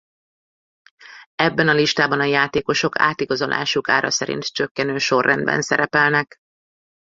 Ebben a listában a játékosok átigazolásuk ára szerint csökkenő sorrendben szerepelnek.